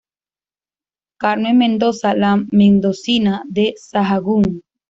Carmen Mendoza "La Mendocina", de Sahagún.